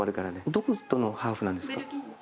どことのハーフなんですか？